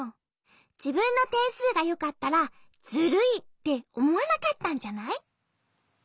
じぶんのてんすうがよかったらズルいっておもわなかったんじゃない？